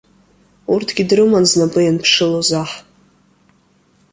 Урҭгьы дрыман знапы ианԥшылоз аҳ.